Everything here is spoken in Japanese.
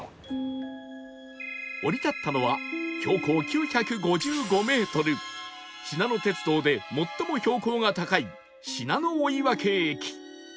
降り立ったのは標高９５５メートルしなの鉄道で最も標高が高い信濃追分駅